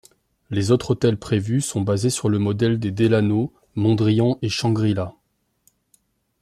Les autres hôtels prévus sont basés sur le modèle des Delano, Mondrian et Shangri-La.